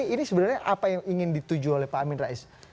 ini sebenarnya apa yang ingin dituju oleh pak amin rais